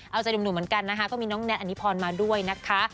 เอาใจหนุ่มเหมือนกันนะคะก็มีน้องแน็ตอันนี้พรมาด้วยนะคะ